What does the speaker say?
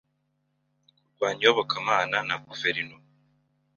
Kurwanya Iyobokamana na Guverinoma